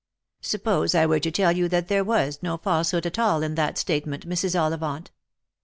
" Suppose I were to tell you that there was no falsehood at all in that statement, Mrs. Ollivant.